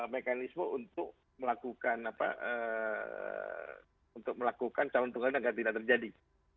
mekanisme untuk melakukan calon tunggal yang tidak terjadi